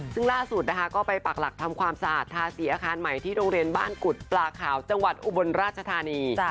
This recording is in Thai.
ซึ่งล่าสุดนะคะก็ไปปากหลักทำความสะอาดทาสีอาคารใหม่ที่โรงเรียนบ้านกุฎปลาขาวจังหวัดอุบลราชธานี